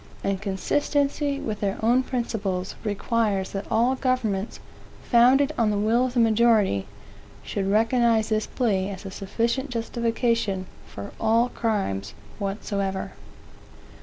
And consistency with their own principles requires that all governments, founded on the will of the majority, should recognize this plea as a sufficient justification for all crimes whatsoever.